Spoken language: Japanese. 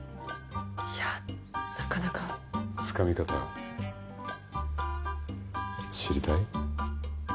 いやなかなかつかみ方知りたい？